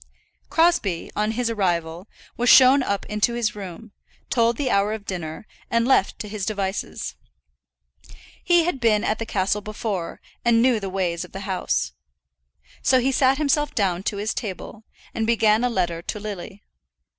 Crosbie, on his arrival, was shown up into his room, told the hour of dinner, and left to his devices. He had been at the castle before, and knew the ways of the house. So he sat himself down to his table, and began a letter to Lily.